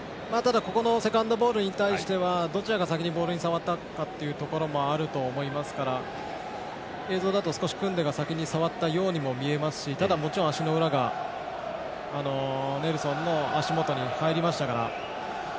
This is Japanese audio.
ここのセカンドボールに対してはどちらが先にボールに触ったかというところもあると思うので映像だとクンデが先に触ったようにも見えますしただ、もちろん足の裏がネルソンの足元に入りましたから。